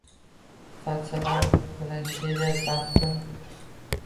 Falsafa bilan she’riyat bahsi